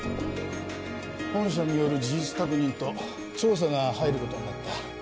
本社による事実確認と調査が入ることになった。